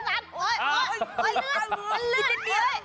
นี่คลานี้งั้น